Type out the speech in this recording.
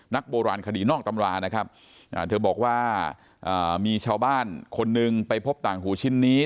โบราณคดีนอกตำรานะครับเธอบอกว่ามีชาวบ้านคนหนึ่งไปพบต่างหูชิ้นนี้